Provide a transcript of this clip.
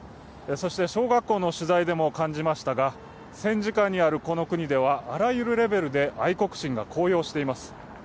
小学校の取材でも感じましたが戦時下にあるこの国は、あらゆるレベルで愛国心が高揚しています。